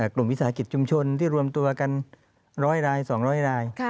กลุ่มวิสาหกิจชุมชนที่รวมตัวกันร้อยรายสองร้อยราย